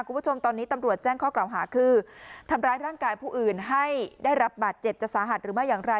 คุณผู้ชมตอนนี้ตำรวจแจ้งข้อกล่าวหาคือทำร้ายร่างกายผู้อื่นให้ได้รับบาดเจ็บจะสาหัสหรือไม่อย่างไร